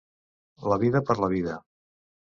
La vida per la vida.